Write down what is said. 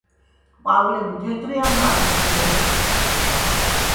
ყვავილები თეთრი ან ვარდისფერი აქვს.